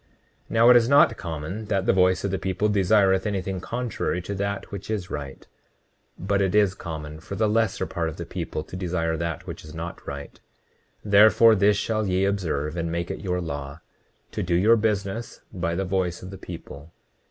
29:26 Now it is not common that the voice of the people desireth anything contrary to that which is right; but it is common for the lesser part of the people to desire that which is not right; therefore this shall ye observe and make it your law—to do your business by the voice of the people.